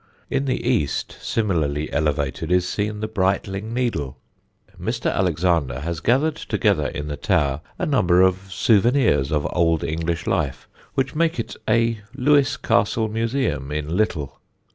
In the east, similarly elevated, is seen the Brightling Needle. Mr. Alexander has gathered together in the tower a number of souvenirs of old English life which make it a Lewes Castle museum in little.